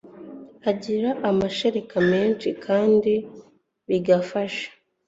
agira amashereka menshi kandi bigafasha